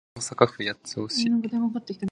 大阪府八尾市